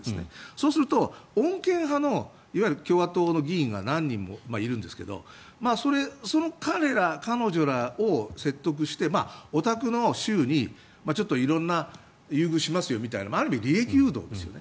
そうすると、穏健派の共和党の議員が何人もいるんですがその彼ら、彼女らを説得しておたくの州に色んな優遇しますよとかある意味、利益誘導ですよね。